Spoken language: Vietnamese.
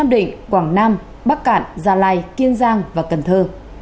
nam định quảng nam bắc cạn gia lai kiên giang và cần thơ